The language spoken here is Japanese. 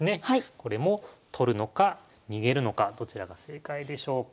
これも取るのか逃げるのかどちらが正解でしょうか。